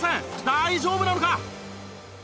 大丈夫なのか？